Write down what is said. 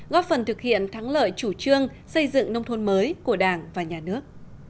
góp phần thực hiện thắng lợi chủ trương xây dựng nông thôn mới của đảng và nhà nước